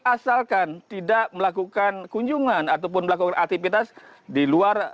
asalkan tidak melakukan kunjungan ataupun melakukan aktivitas di luar